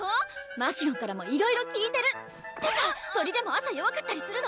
ましろんからもいろいろ聞いてる！ってか鳥でも朝弱かったりするの？